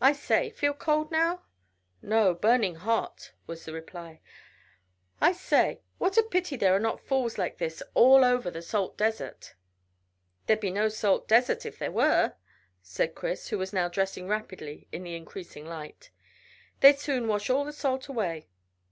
"I say, feel cold now?" "No; burning hot," was the reply. "I say, what a pity there are not falls like this all over the salt desert." "There'd be no salt desert if there were," said Chris, who was now dressing rapidly in the increasing light. "They'd soon wash all the salt away.